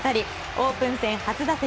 オープン戦初打席